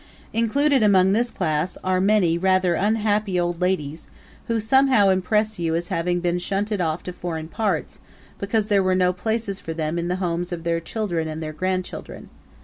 Included among this class are many rather unhappy old ladies who somehow impress you as having been shunted off to foreign parts because there were no places for them in the homes of their children and their grandchildren.